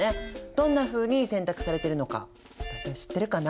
どんなふうに洗濯されてるのか大体知ってるかな？